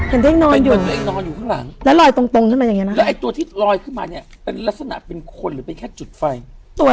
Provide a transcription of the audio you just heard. เห็นตัวเองนอนอยู่เป็นเหมือนตัวเองนอนอยู่ข้างหลัง